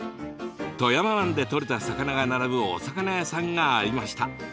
富山湾でとれた魚が並ぶお魚屋さんがありました。